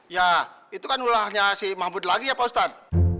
ya itu kan ulahnya si mahmud lagi ya pak ustadz